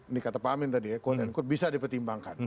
ini kata pak amin tadi ya kuot dan kurut bisa dipertimbangkan